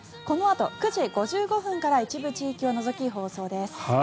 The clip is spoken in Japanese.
このあと９時５５分から一部地域を除き放送です。